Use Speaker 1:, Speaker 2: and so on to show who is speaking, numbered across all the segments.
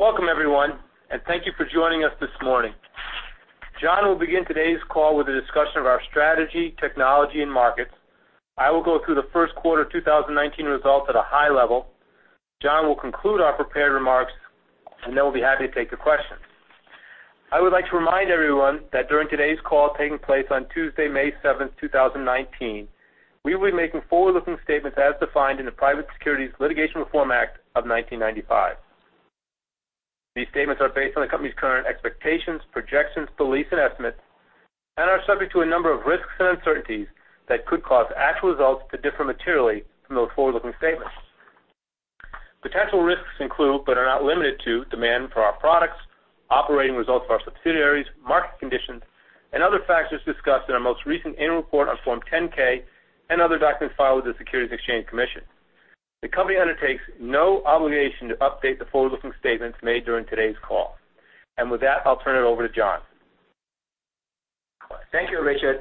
Speaker 1: Welcome everyone, thank you for joining us this morning. John will begin today's call with a discussion of our strategy, technology, and markets. I will go through the first quarter 2019 results at a high level. John will conclude our prepared remarks. Then we'll be happy to take the questions. I would like to remind everyone that during today's call taking place on Tuesday, May 7th, 2019, we will be making forward-looking statements as defined in the Private Securities Litigation Reform Act of 1995. These statements are based on the company's current expectations, projections, beliefs, and estimates, are subject to a number of risks and uncertainties that could cause actual results to differ materially from those forward-looking statements. Potential risks include, are not limited to, demand for our products, operating results of our subsidiaries, market conditions, other factors discussed in our most recent annual report on Form 10-K, and other documents filed with the Securities and Exchange Commission. The company undertakes no obligation to update the forward-looking statements made during today's call. With that, I'll turn it over to John.
Speaker 2: Thank you, Richard.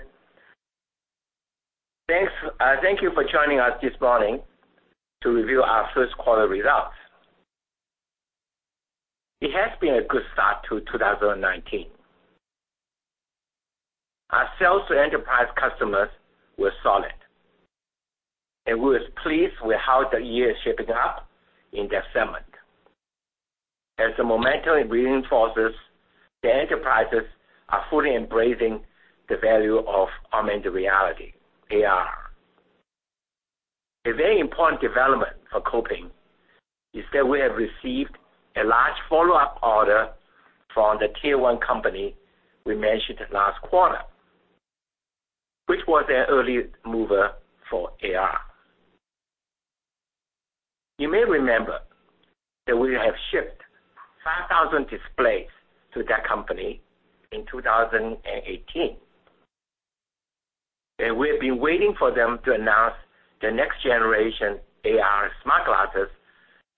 Speaker 2: Thank you for joining us this morning to review our first quarter results. It has been a good start to 2019. Our sales to enterprise customers were solid. We were pleased with how the year is shaping up in December. As the momentum reinforces, the enterprises are fully embracing the value of augmented reality, AR. A very important development for Kopin is that we have received a large follow-up order from the tier 1 company we mentioned last quarter, which was an early mover for AR. You may remember that we have shipped 5,000 displays to that company in 2018. We have been waiting for them to announce their next generation AR smart glasses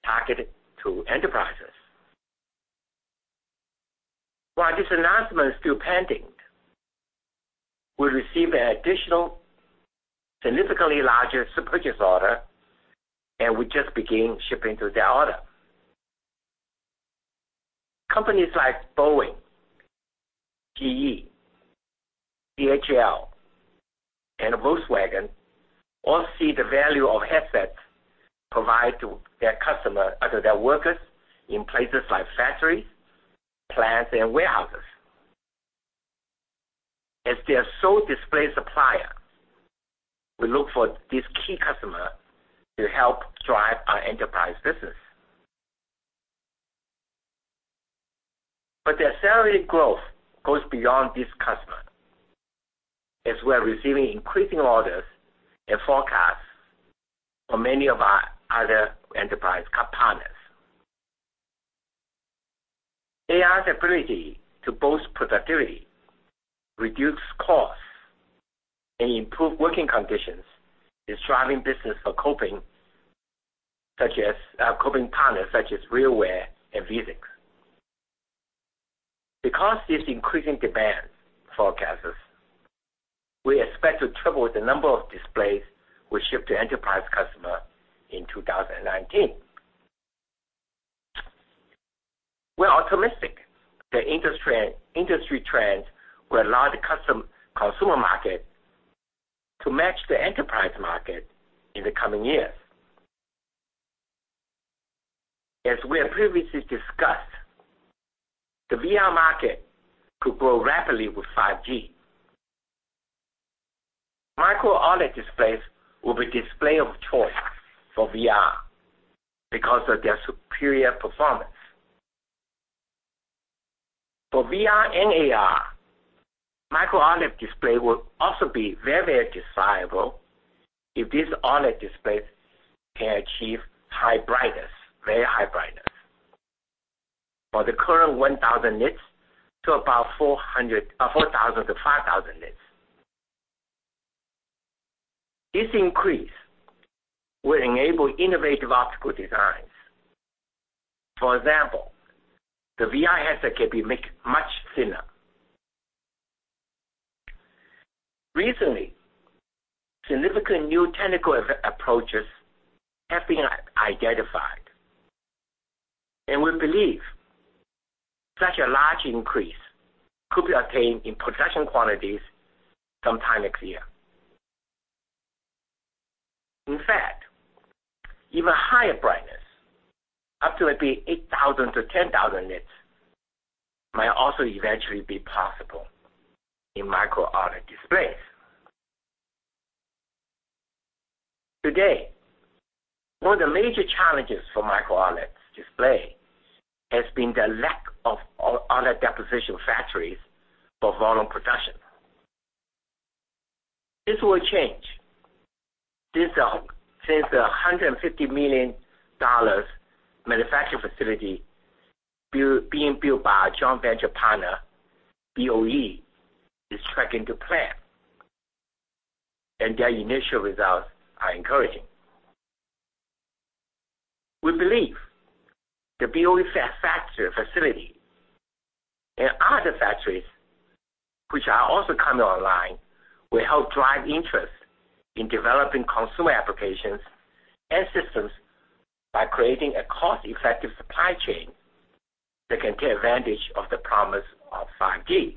Speaker 2: targeted to enterprises. While this announcement is still pending, we received an additional, significantly larger purchase order. We just began shipping through that order. Companies like Boeing, GE, DHL, and Volkswagen all see the value of headsets provided to their customer or to their workers in places like factories, plants, and warehouses. As their sole display supplier, we look for these key customer to help drive our enterprise business. Their sales growth goes beyond these customer, as we're receiving increasing orders and forecasts for many of our other enterprise partners. AR's ability to boost productivity, reduce costs, and improve working conditions is driving business for Kopin partners such as RealWear and Vuzix. Because of this increasing demand forecasts, we expect to triple the number of displays we ship to enterprise customer in 2019. We're optimistic the industry trends will allow the consumer market to match the enterprise market in the coming years. As we have previously discussed, the VR market could grow rapidly with 5G. Micro OLED displays will be display of choice for VR because of their superior performance. For VR and AR, micro OLED display will also be very desirable if these OLED displays can achieve very high brightness. For the current 1,000 nits to about 4,000-5,000 nits. This increase will enable innovative optical designs. For example, the VR headset can be made much thinner. Recently, significant new technical approaches have been identified. We believe such a large increase could be obtained in production quantities sometime next year. In fact, even higher brightness, up to maybe 8,000-10,000 nits, might also eventually be possible in micro OLED displays. Today, one of the major challenges for micro OLED display has been the lack of OLED deposition factories for volume production. This will change since the $150 million manufacturing facility being built by our joint venture partner, BOE, is tracking to plan. Their initial results are encouraging. We believe the BOE factory facility and other factories, which are also coming online, will help drive interest in developing consumer applications and systems by creating a cost-effective supply chain that can take advantage of the promise of 5G.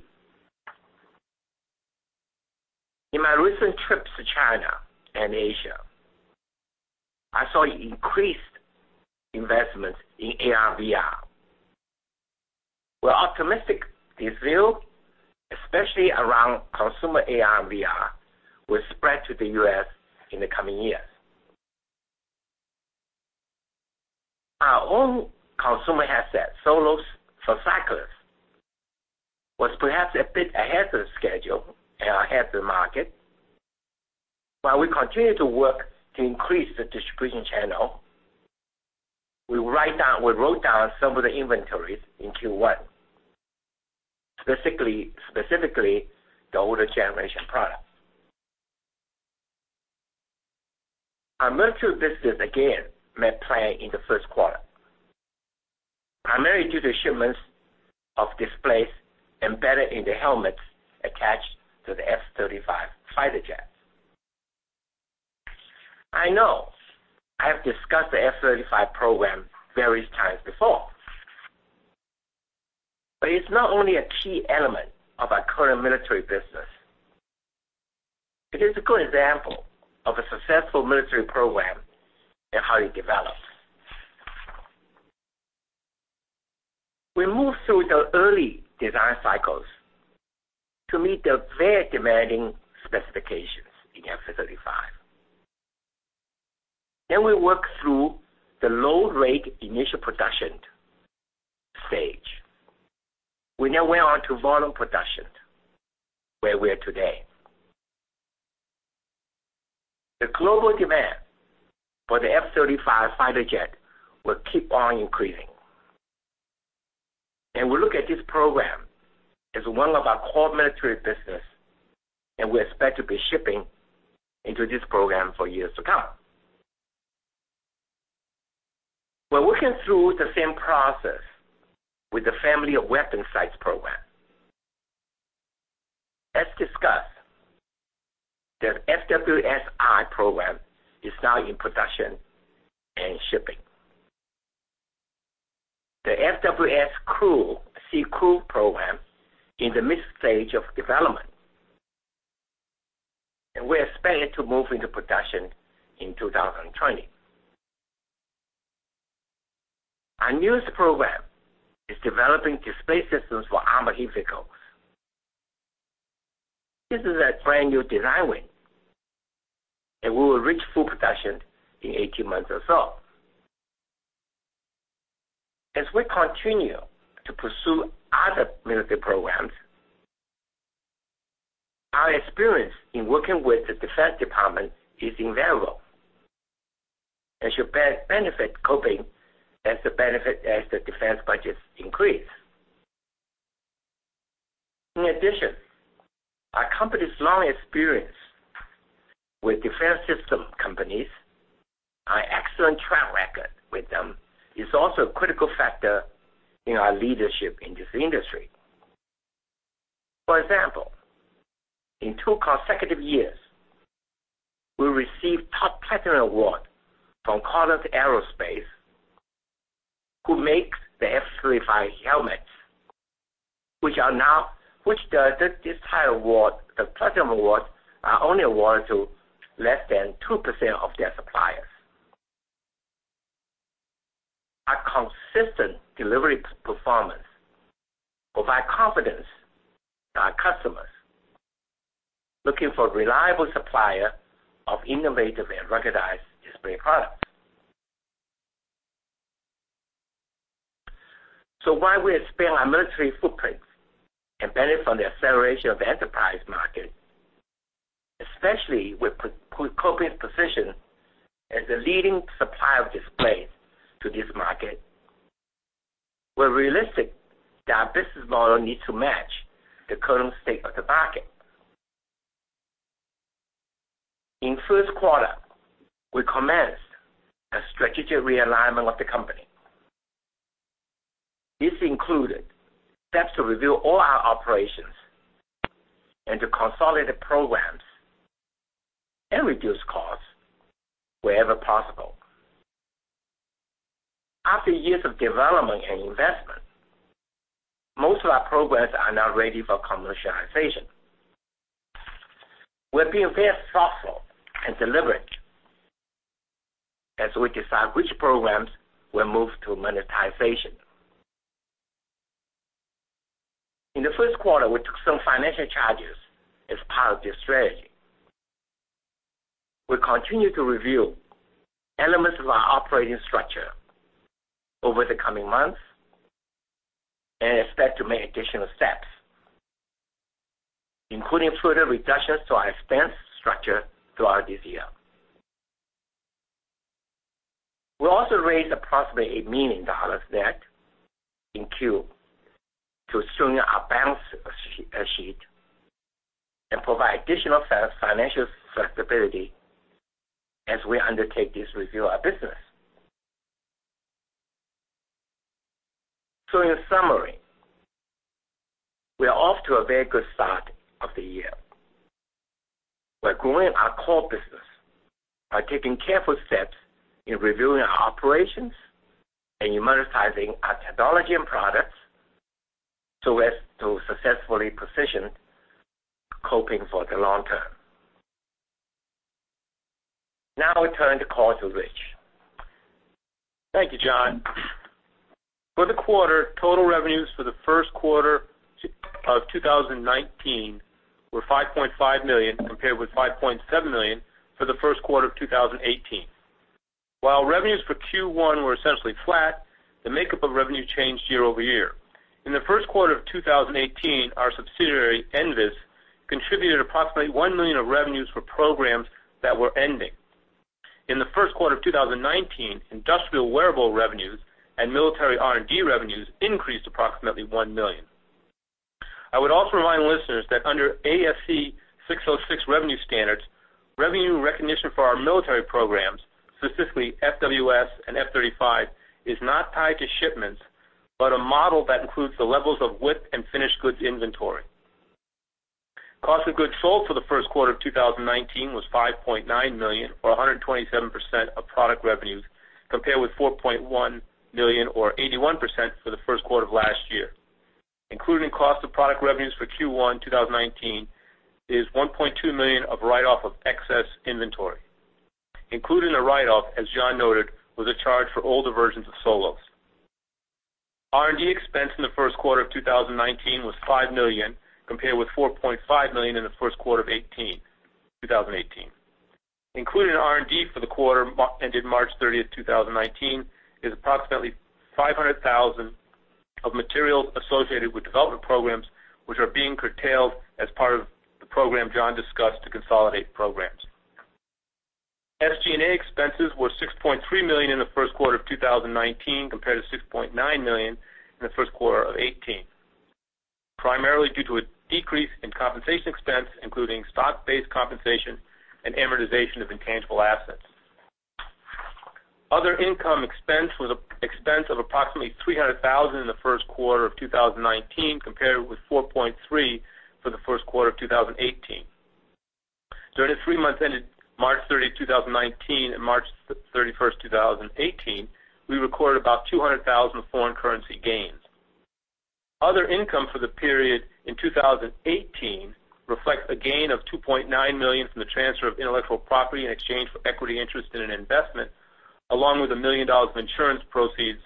Speaker 2: In my recent trips to China and Asia, I saw increased investment in AR/VR. We're optimistic this view, especially around consumer AR and VR, will spread to the U.S. in the coming years. Our own consumer headset, Solos for cyclists, was perhaps a bit ahead of schedule and ahead of the market. While we continue to work to increase the distribution channel, we wrote down some of the inventories in Q1, specifically the older generation products. Our military business, again, met plan in the first quarter, primarily due to shipments of displays embedded in the helmets attached to the F-35 fighter jets. I know I have discussed the F-35 program various times before. It's not only a key element of our current military business, it is a good example of a successful military program and how it develops. We moved through the early design cycles to meet the very demanding specifications in the F-35. We worked through the low rate initial production stage. We now went on to volume production, where we are today. The global demand for the F-35 fighter jet will keep on increasing. We look at this program as one of our core military business, and we expect to be shipping into this program for years to come. We're working through the same process with the Family of Weapon Sights program. As discussed, the FWS-I program is now in production and shipping. The FWS-CS program in the mid-stage of development. We expect it to move into production in 2020. Our newest program is developing display systems for armored vehicles. This is a brand-new design win. We will reach full production in 18 months or so. As we continue to pursue other military programs, our experience in working with the Defense Department is invaluable and should benefit Kopin as the defense budgets increase. In addition, our company's long experience with defense system companies, our excellent track record with them is also a critical factor in our leadership in this industry. For example, in two consecutive years, we received top platinum award from Collins Aerospace, who makes the F-35 helmets. The platinum awards are only awarded to less than 2% of their suppliers. Our consistent delivery performance provide confidence to our customers looking for a reliable supplier of innovative and recognized display products. While we expand our military footprint and benefit from the acceleration of the enterprise market, especially with Kopin's position as a leading supplier of displays to this market, we're realistic that our business model needs to match the current state of the market. In the first quarter, we commenced a strategic realignment of the company. This included steps to review all our operations and to consolidate programs and reduce costs wherever possible. After years of development and investment, most of our programs are now ready for commercialization. We're being very thoughtful and deliberate as we decide which programs will move to monetization. In the first quarter, we took some financial charges as part of this strategy. We'll continue to review elements of our operating structure over the coming months and expect to make additional steps, including further reductions to our expense structure throughout this year. We also raised approximately $8 million net in Q to strengthen our balance sheet and provide additional financial flexibility as we undertake this review of our business. In summary, we are off to a very good start of the year. We're growing our core business by taking careful steps in reviewing our operations and monetizing our technology and products so as to successfully position Kopin for the long term. Now I turn the call to Rich.
Speaker 1: Thank you, John. For the quarter, total revenues for the first quarter of 2019 were $5.5 million compared with $5.7 million for the first quarter of 2018. While revenues for Q1 were essentially flat, the makeup of revenue changed year-over-year. In the first quarter of 2018, our subsidiary, NVIS, contributed approximately $1 million of revenues for programs that were ending. In the first quarter of 2019, industrial wearable revenues and military R&D revenues increased approximately $1 million. I would also remind listeners that under ASC 606 revenue standards, revenue recognition for our military programs, specifically FWS and F-35, is not tied to shipments, but a model that includes the levels of WIP and finished goods inventory. Cost of goods sold for the first quarter of 2019 was $5.9 million, or 127% of product revenues, compared with $4.1 million, or 81%, for the first quarter of last year. Included in cost of product revenues for Q1 2019 is $1.2 million of write-off of excess inventory. Included in the write-off, as John noted, was a charge for older versions of Solos. R&D expense in the first quarter of 2019 was $5 million, compared with $4.5 million in the first quarter of 2018. Included in R&D for the quarter ended March 30th, 2019, is approximately $500,000 of materials associated with development programs, which are being curtailed as part of the program John discussed to consolidate programs. SG&A expenses were $6.3 million in the first quarter of 2019, compared to $6.9 million in the first quarter of 2018, primarily due to a decrease in compensation expense, including stock-based compensation and amortization of intangible assets. Other income expense was an expense of approximately $300,000 in the first quarter of 2019, compared with $4.3 million for the first quarter of 2018. During the three months ended March 30, 2019, and March 31, 2018, we recorded about $200,000 of foreign currency gains. Other income for the period in 2018 reflects a gain of $2.9 million from the transfer of intellectual property in exchange for equity interest in an investment, along with $1 million of insurance proceeds.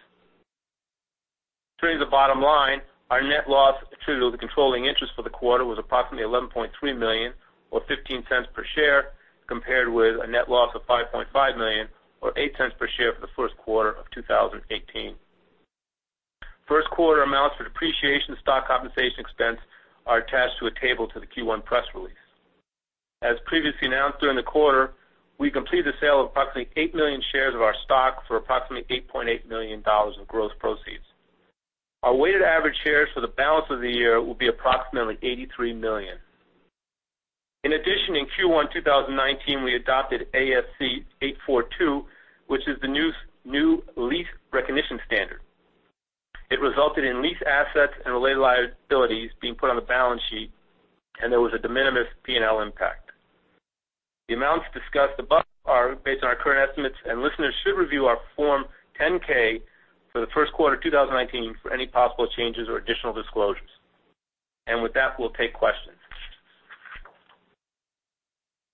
Speaker 1: Turning to the bottom line, our net loss attributable to controlling interest for the quarter was approximately $11.3 million, or $0.15 per share, compared with a net loss of $5.5 million, or $0.08 per share for the first quarter of 2018. First quarter amounts for depreciation stock compensation expense are attached to a table to the Q1 press release. As previously announced during the quarter, we completed the sale of approximately 8 million shares of our stock for approximately $8.8 million of gross proceeds. Our weighted average shares for the balance of the year will be approximately 83 million. In addition, in Q1 2019, we adopted ASC 842, which is the new lease recognition standard. It resulted in lease assets and related liabilities being put on the balance sheet, and there was a de minimis P&L impact. The amounts discussed above are based on our current estimates, and listeners should review our Form 10-K for the first quarter of 2019 for any possible changes or additional disclosures. With that, we'll take questions.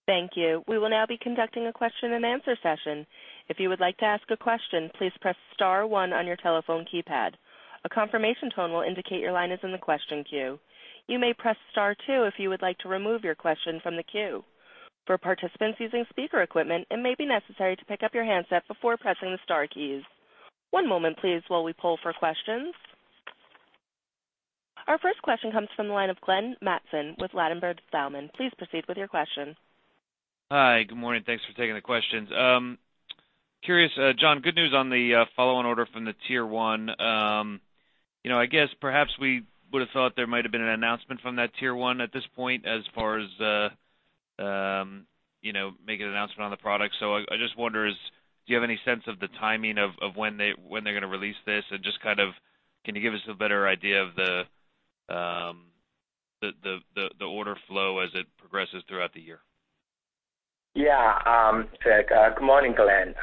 Speaker 3: Thank you. We will now be conducting a question-and-answer session. If you would like to ask a question, please press *1 on your telephone keypad. A confirmation tone will indicate your line is in the question queue. You may press *2 if you would like to remove your question from the queue. For participants using speaker equipment, it may be necessary to pick up your handset before pressing the star keys. One moment, please, while we poll for questions. Our first question comes from the line of Glenn Mattson with Ladenburg Thalmann. Please proceed with your question.
Speaker 4: Hi. Good morning. Thanks for taking the questions. Curious, John, good news on the follow-on order from the tier 1. I guess perhaps we would've thought there might've been an announcement from that tier 1 at this point as far as making an announcement on the product. I just wonder, do you have any sense of the timing of when they're going to release this? Just kind of, can you give us a better idea of the order flow as it progresses throughout the year?
Speaker 2: Good morning, Glenn.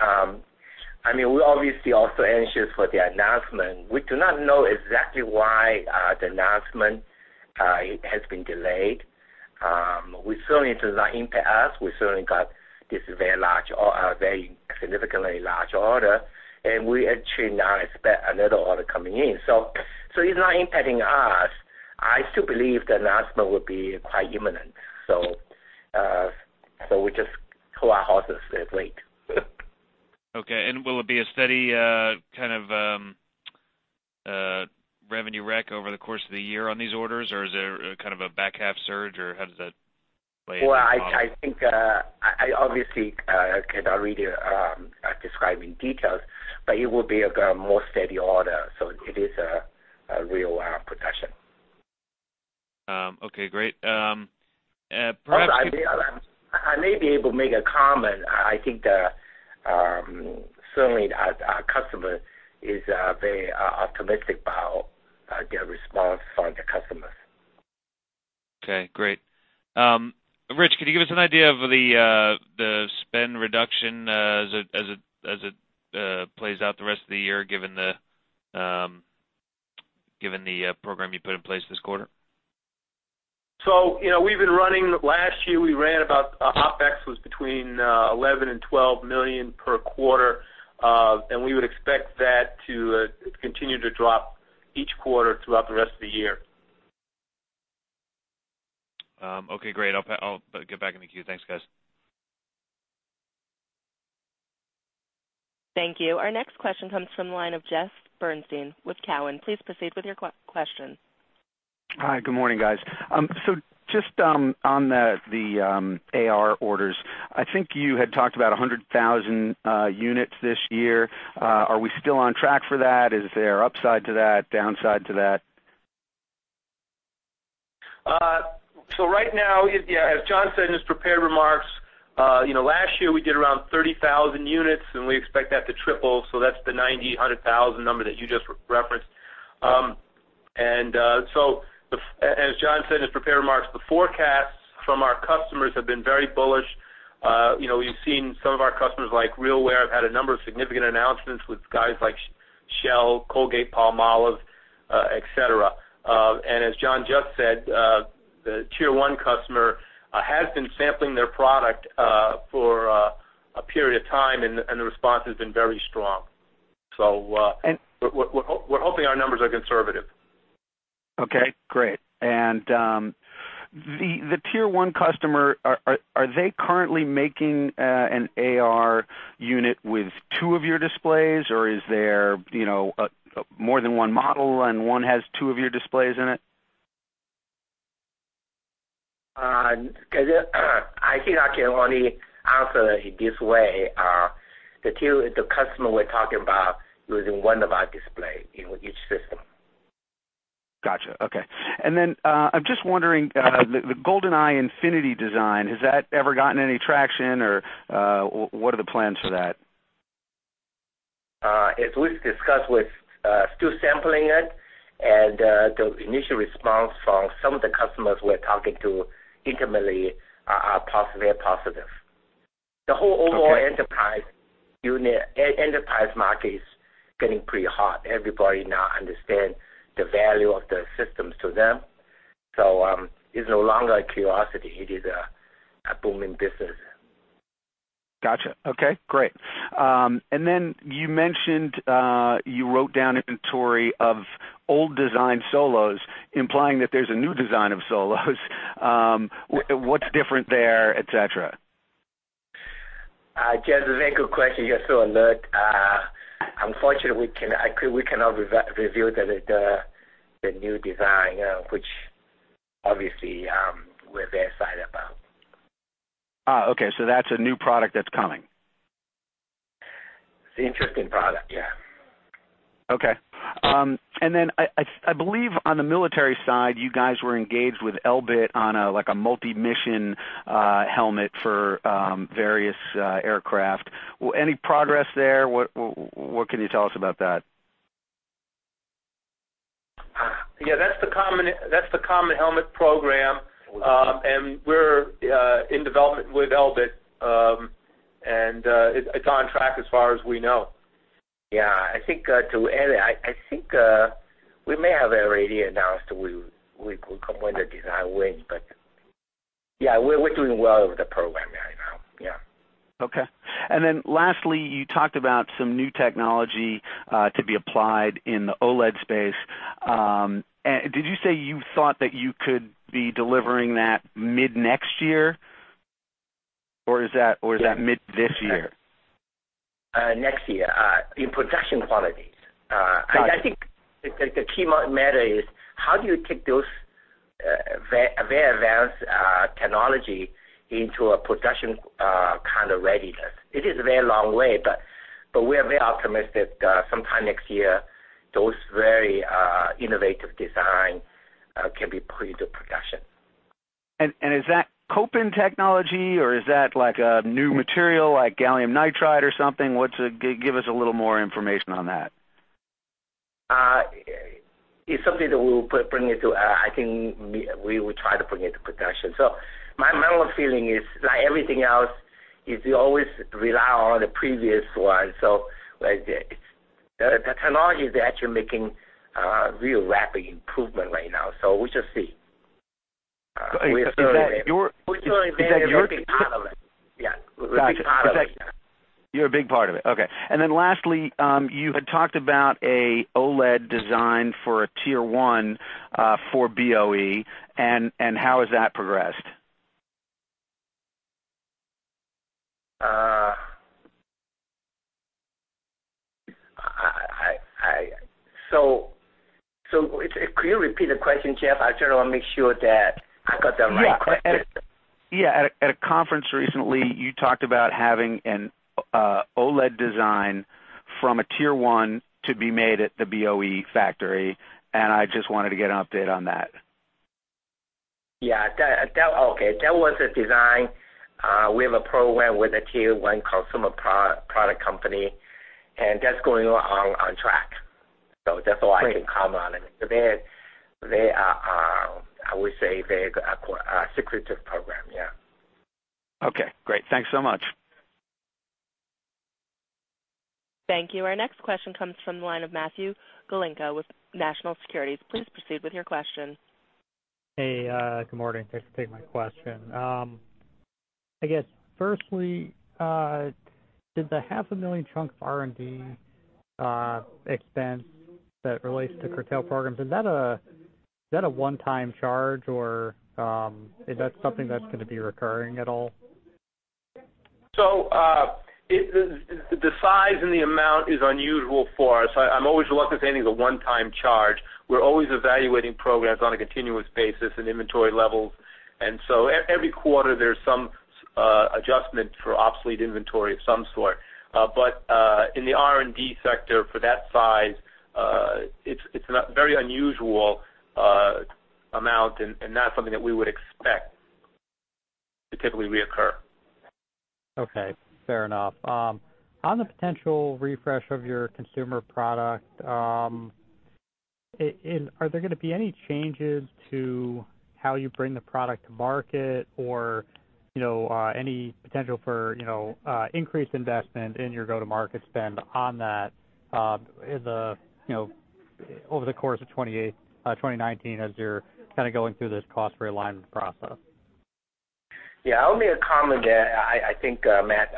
Speaker 2: We're obviously also anxious for the announcement. We do not know exactly why the announcement has been delayed. We certainly do not impact us. We certainly got this very significantly large order, and we actually now expect another order coming in. It's not impacting us. I still believe the announcement will be quite imminent. We just hold our horses and wait.
Speaker 4: Okay, will it be a steady kind of revenue rec over the course of the year on these orders, or is there kind of a back half surge, or how does that play into the model?
Speaker 2: Well, I obviously cannot really describe in details, but it will be a more steady order. It is a RealWear production.
Speaker 4: Okay, great.
Speaker 2: I may be able to make a comment. I think that certainly our customer is very optimistic about their response from the customers.
Speaker 4: Okay, great. Rich, could you give us an idea of the spend reduction as it plays out the rest of the year, given the program you put in place this quarter?
Speaker 1: Last year our OpEx was between $11 million and $12 million per quarter. We would expect that to continue to drop each quarter throughout the rest of the year.
Speaker 4: Okay, great. I'll get back in the queue. Thanks, guys.
Speaker 3: Thank you. Our next question comes from the line of Jeff Bernstein with Cowen. Please proceed with your question.
Speaker 5: Hi. Good morning, guys. Just on the AR orders, I think you had talked about 100,000 units this year. Are we still on track for that? Is there upside to that, downside to that?
Speaker 1: Right now, as John said in his prepared remarks, last year we did around 30,000 units, and we expect that to triple. That's the 90,000, 100,000 number that you just referenced. As John said in his prepared remarks, the forecasts from our customers have been very bullish. We've seen some of our customers like RealWear, have had a number of significant announcements with guys like Shell, Colgate-Palmolive, et cetera. As John just said, the Tier 1 customer has been sampling their product for a period of time, and the response has been very strong. We're hoping our numbers are conservative.
Speaker 5: Okay, great. The Tier 1 customer, are they currently making an AR unit with two of your displays, or is there more than one model, and one has two of your displays in it?
Speaker 2: I think I can only answer it this way. The customer we're talking about using one of our display in each system.
Speaker 5: Got you. Okay. I'm just wondering, the Golden-i Infinity design, has that ever gotten any traction, or what are the plans for that?
Speaker 2: As we've discussed with still sampling it and the initial response from some of the customers we're talking to intimately are very positive. The whole overall enterprise market is getting pretty hot. Everybody now understands the value of the systems to them. It's no longer a curiosity. It is a booming business.
Speaker 5: Got you. Okay, great. You mentioned you wrote down inventory of old design Solos, implying that there's a new design of Solos. What's different there, et cetera?
Speaker 2: Joshua, that's a very good question. You're so alert. Unfortunately, we cannot reveal the new design which obviously, we're very excited about.
Speaker 5: Okay. That's a new product that's coming.
Speaker 2: It's interesting product, yeah.
Speaker 5: Okay. I believe on the military side, you guys were engaged with Elbit on a multi-mission helmet for various aircraft. Any progress there? What can you tell us about that?
Speaker 1: Yeah, that's the common helmet program. We're in development with Elbit. It's on track as far as we know.
Speaker 2: Yeah, I think to add, we may have already announced when the design wins, but yeah, we're doing well with the program right now. Yeah.
Speaker 5: Okay. Lastly, you talked about some new technology to be applied in the OLED space. Did you say you thought that you could be delivering that mid next year, or is that mid this year?
Speaker 2: Next year, in production quantities. I think the key matter is how do you take those very advanced technology into a production kind of readiness. It is a very long way, but we are very optimistic that sometime next year, those very innovative design can be put into production.
Speaker 5: Is that Kopin technology, or is that a new material like gallium nitride or something? Give us a little more information on that.
Speaker 2: It's something that I think we will try to bring into production. My mental feeling is, like everything else, if you always rely on the previous one, the technology is actually making real rapid improvement right now. We shall see.
Speaker 5: Is that your-
Speaker 2: We're certainly a big part of it. Yeah. We're a big part of it.
Speaker 5: You're a big part of it. Okay. Lastly, you had talked about a OLED design for a Tier 1 for BOE. How has that progressed?
Speaker 2: Could you repeat the question, Joshua? I just want to make sure that I got the right question.
Speaker 5: Yeah. At a conference recently, you talked about having an OLED design from a Tier 1 to be made at the BOE factory. I just wanted to get an update on that.
Speaker 2: Yeah. Okay. That was a design. We have a program with a Tier 1 consumer product company. That's going on track. That's all I can comment on it. They are, I would say, they're a secretive program, yeah.
Speaker 5: Okay, great. Thanks so much.
Speaker 3: Thank you. Our next question comes from the line of Matthew Galinko with National Securities. Please proceed with your question.
Speaker 6: Hey, good morning. Thanks for taking my question. I guess, firstly, did the half a million chunk of R&D expense that relates to curtail programs, is that a one-time charge or is that something that's going to be recurring at all?
Speaker 1: The size and the amount is unusual for us. I'm always reluctant saying it's a one-time charge. We're always evaluating programs on a continuous basis and inventory levels. Every quarter there's some adjustment for obsolete inventory of some sort. In the R&D sector for that size, it's a very unusual amount and not something that we would expect to typically reoccur.
Speaker 6: Okay, fair enough. On the potential refresh of your consumer product, are there going to be any changes to how you bring the product to market or any potential for increased investment in your go-to-market spend on that over the course of 2019 as you're going through this cost realignment process?
Speaker 2: Yeah. I'll make a comment there, I think, Matt,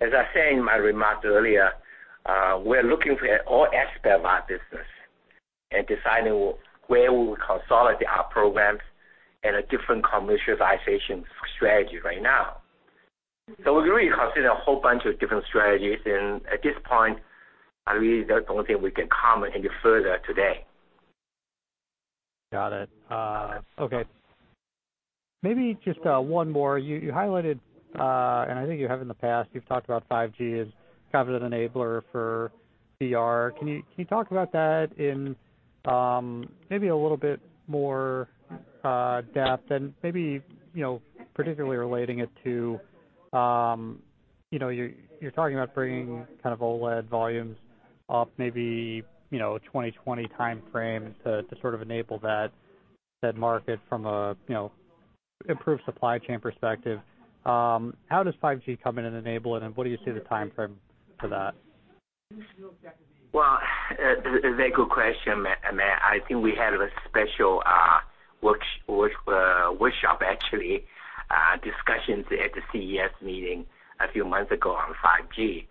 Speaker 2: as I said in my remarks earlier, we're looking at all aspects of our business and deciding where we will consolidate our programs and a different commercialization strategy right now. We really consider a whole bunch of different strategies, and at this point, I really don't think we can comment any further today.
Speaker 6: Got it. Okay. Maybe just one more. You highlighted, and I think you have in the past, you've talked about 5G as kind of an enabler for VR. Can you talk about that in maybe a little bit more depth and maybe particularly relating it to, you're talking about bringing kind of OLED volumes up, maybe 2020 timeframe to sort of enable that market from an improved supply chain perspective. How does 5G come in and enable it, and what do you see the timeframe for that?
Speaker 2: Well, very good question, Matt. I think we had a special workshop actually, discussions at the CES meeting a few months ago on 5G.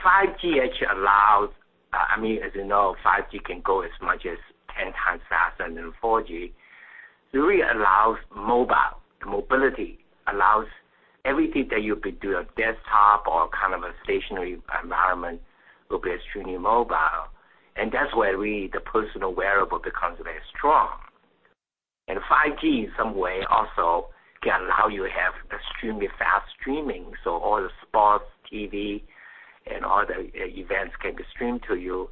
Speaker 2: 5G actually allows, as you know, 5G can go as much as 10 times faster than 4G. It really allows mobile, mobility. Allows everything that you could do on desktop or kind of a stationary environment will be extremely mobile. That's where really the personal wearable becomes very strong. 5G, in some way, also can allow you to have extremely fast streaming, so all the sports, TV, and other events can be streamed to you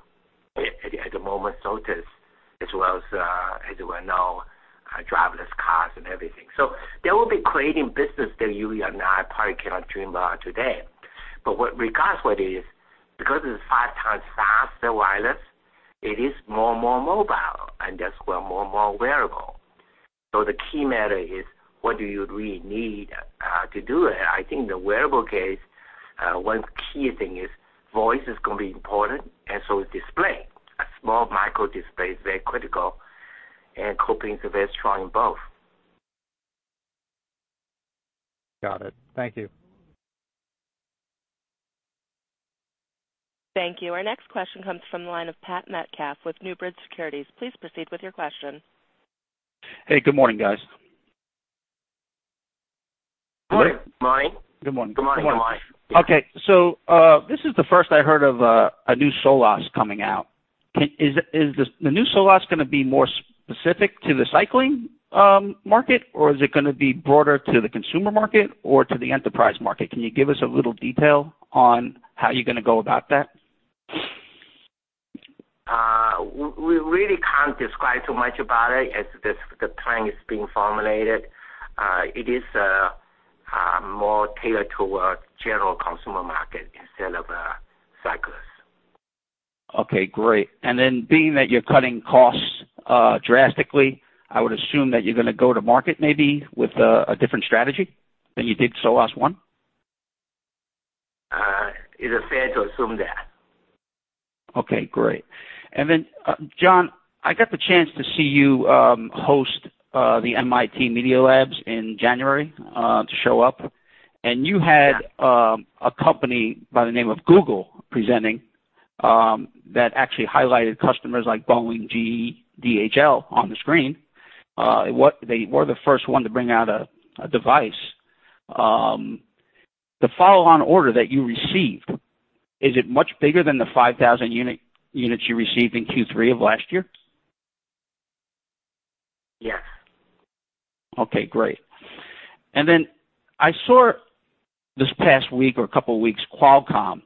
Speaker 2: at a moment's notice, as well as we all know, driverless cars and everything. They will be creating business that you and I probably cannot dream about today. Regardless, what it is, because it's five times faster wireless, it is more mobile, and that's where more wearable. The key matter is, what do you really need to do it? I think the wearable case, one key thing is voice is going to be important and so is display. A small micro display is very critical, and Kopin is very strong in both.
Speaker 6: Got it. Thank you.
Speaker 3: Thank you. Our next question comes from the line of Patrick Metcalf with NewBridge Securities. Please proceed with your question.
Speaker 7: Hey, good morning, guys.
Speaker 2: Morning.
Speaker 7: Good morning.
Speaker 2: Good morning.
Speaker 7: Okay, this is the first I heard of a new Solos coming out. Is the new Solos going to be more specific to the cycling market, or is it going to be broader to the consumer market or to the enterprise market? Can you give us a little detail on how you're going to go about that?
Speaker 2: We really can't describe too much about it as the plan is being formulated. It is more tailored towards general consumer market instead of cyclists.
Speaker 7: Okay, great. Being that you're cutting costs drastically, I would assume that you're going to go to market maybe with a different strategy than you did Solos One?
Speaker 2: It is fair to assume that.
Speaker 7: Okay, great. John, I got the chance to see you host the MIT Media Lab in January to show up, and you had a company by the name of Google presenting, that actually highlighted customers like Boeing, GE, DHL on the screen. They were the first one to bring out a device. The follow-on order that you received, is it much bigger than the 5,000 units you received in Q3 of last year?
Speaker 2: Yes.
Speaker 7: Okay, great. I saw this past week or couple of weeks, Qualcomm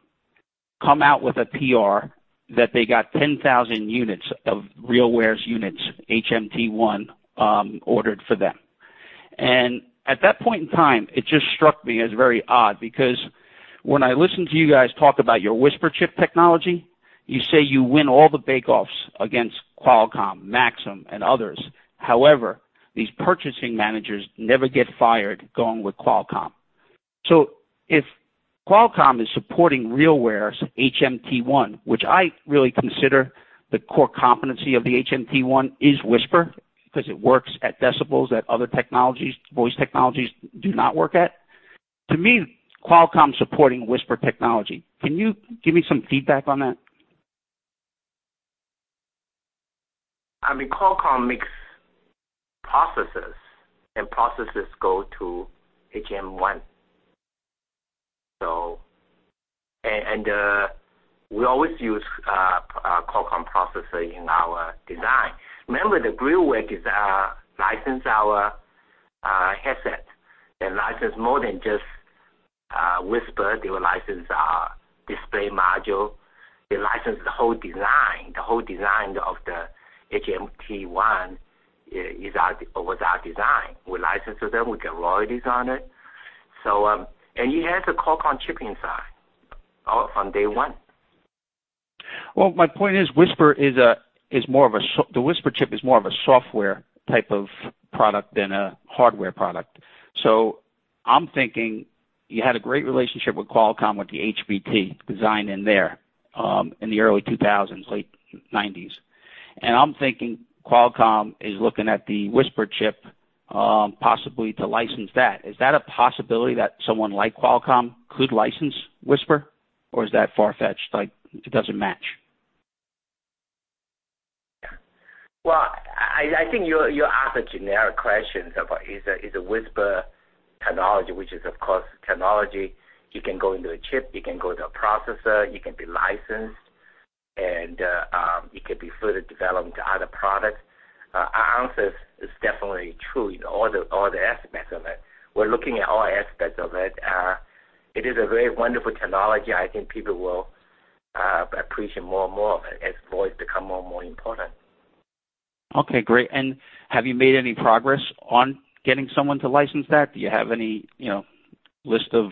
Speaker 7: come out with a PR that they got 10,000 units of RealWear's units, HMT-1, ordered for them. At that point in time, it just struck me as very odd because when I listen to you guys talk about your Whisper Chip technology, you say you win all the bake-offs against Qualcomm, Maxim, and others. However, these purchasing managers never get fired going with Qualcomm. If Qualcomm is supporting RealWear's HMT-1, which I really consider the core competency of the HMT-1 is Whisper, because it works at decibels that other voice technologies do not work at. To me, Qualcomm supporting Whisper technology, can you give me some feedback on that?
Speaker 2: I mean, Qualcomm makes processors go to HMT-1. We always use a Qualcomm processor in our design. Remember that RealWear license our headset. They license more than just Whisper. They will license our display module. They license the whole design of the HMT-1 was our design. We license it to them, we get royalties on it. It has a Qualcomm chip inside from day one.
Speaker 7: Well, my point is, the Whisper chip is more of a software type of product than a hardware product. I'm thinking you had a great relationship with Qualcomm with the HBT design in there, in the early 2000s, late '90s. I'm thinking Qualcomm is looking at the Whisper chip, possibly to license that. Is that a possibility that someone like Qualcomm could license Whisper? Is that far-fetched, like, it doesn't match?
Speaker 2: Well, I think you asked a generic question about, is the Whisper technology, which is, of course, technology. It can go into a chip, it can go to a processor, it can be licensed, it could be further developed into other products. Our answer is it's definitely true in all the aspects of it. We're looking at all aspects of it. It is a very wonderful technology. I think people will appreciate more and more of it as voice become more and more important.
Speaker 7: Okay, great. Have you made any progress on getting someone to license that? Do you have any list of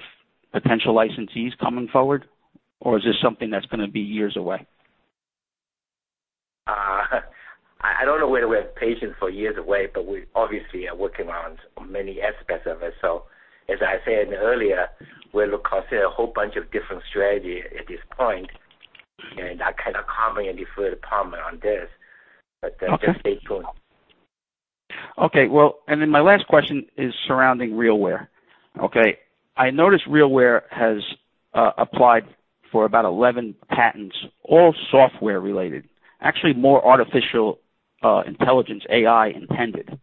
Speaker 7: potential licensees coming forward, or is this something that's going to be years away?
Speaker 2: I don't know whether we have patience for years away, but we obviously are working on many aspects of it. As I said earlier, we'll consider a whole bunch of different strategy at this point, and I cannot comment any further comment on this.
Speaker 7: Okay.
Speaker 2: Just stay tuned.
Speaker 7: Okay. Well, my last question is surrounding RealWear. Okay. I noticed RealWear has applied for about 11 patents, all software related, actually more artificial intelligence, AI, intended.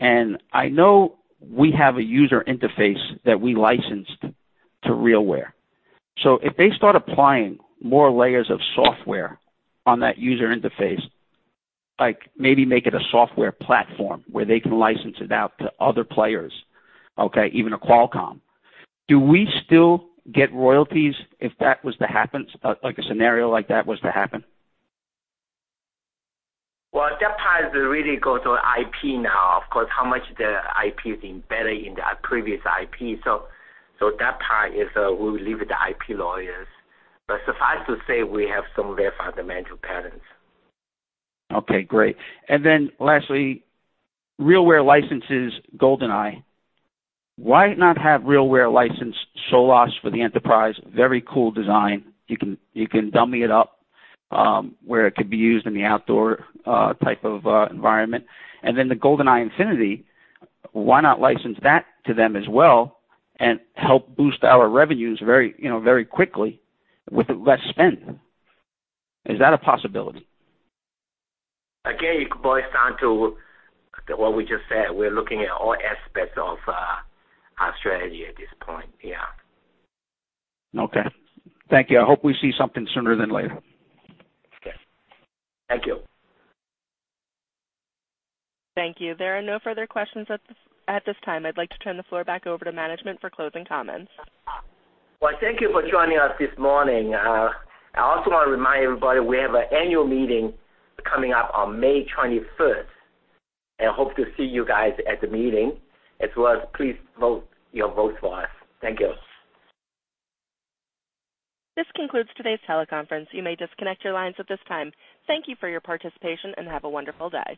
Speaker 7: I know we have a user interface that we licensed to RealWear. If they start applying more layers of software on that user interface, like maybe make it a software platform where they can license it out to other players, okay, even a Qualcomm, do we still get royalties if that was to happen, like a scenario like that was to happen?
Speaker 2: Well, that part really goes to IP now. Of course, how much the IP is embedded in that previous IP. That part, we will leave with the IP lawyers. Suffice to say, we have some very fundamental patents.
Speaker 7: Okay, great. Lastly, RealWear licenses Golden-i. Why not have RealWear license Solos for the enterprise? Very cool design. You can dummy it up, where it could be used in the outdoor type of environment. The Golden-i Infinity, why not license that to them as well and help boost our revenues very quickly with less spend? Is that a possibility?
Speaker 2: Again, it boils down to what we just said. We're looking at all aspects of our strategy at this point. Yeah.
Speaker 7: Okay. Thank you. I hope we see something sooner than later.
Speaker 2: Okay. Thank you.
Speaker 3: Thank you. There are no further questions at this time. I'd like to turn the floor back over to management for closing comments.
Speaker 2: Well, thank you for joining us this morning. I also want to remind everybody we have an annual meeting coming up on May 21st, and hope to see you guys at the meeting. As well as please vote your votes for us. Thank you.
Speaker 3: This concludes today's teleconference. You may disconnect your lines at this time. Thank you for your participation and have a wonderful day.